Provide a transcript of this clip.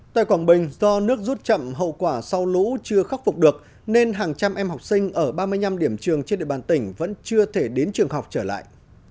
tại quảng bình do nước rút chậm hậu quả sau lũ chưa khắc phục được nên hàng trăm em học sinh ở ba mươi năm điểm trường trên địa bàn tỉnh vẫn chưa thể đến trường học trở lại